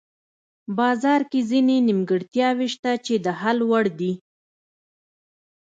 بازار کې ځینې نیمګړتیاوې شته چې د حل وړ دي.